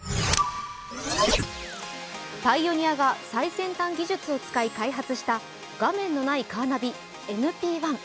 パイオニアが最先端技術を使い開発した画面のないカーナビ、ＮＰ１。